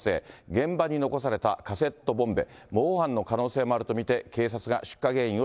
現場に残されたカセットボンベ。